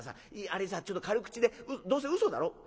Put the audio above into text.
あれさちょっと軽口でどうせ嘘だろ？」。